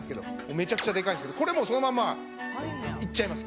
めちゃくちゃでかいんですけどこれもうそのままいっちゃいます。